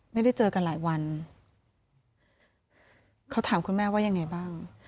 ไม่ได้เจอกันหลายวันเขาถามคุณแม่ว่ายังไงบ้าง